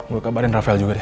gue kabarin rafael juga sih